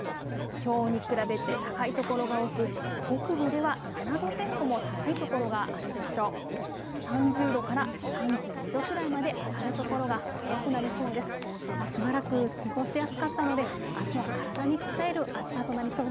きょうに比べて高いところが多く、北部では７度前後も高いところがあるでしょう。